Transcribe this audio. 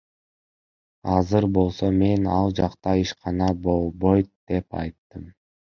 Азыр болсо мен ал жакта ишкана болбойт деп айттым.